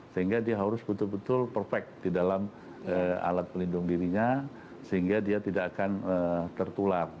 sehingga dia harus betul betul perfect di dalam alat pelindung dirinya sehingga dia tidak akan tertular